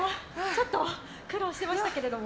ちょっと苦労してましたけれども。